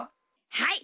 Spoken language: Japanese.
はい！